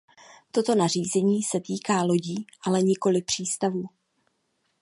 Toto nařízení se týká lodí, ale nikoli přístavů.